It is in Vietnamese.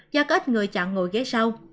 do có ít người chọn ngồi ghế sau